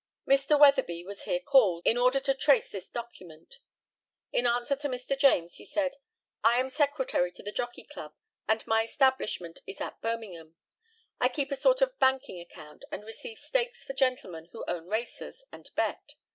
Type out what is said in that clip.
Mr. WEATHERBY was here called, in order to trace this document. In answer to Mr. JAMES, he said: I am secretary to the Jockey Club, and my establishment is at Birmingham. I keep a sort of banking account, and receive stakes for gentlemen who own racers and bet.